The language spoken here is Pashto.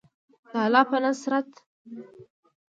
د الله په نصرت.